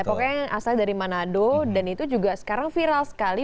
pokoknya yang asal dari manado dan itu juga sekarang viral sekali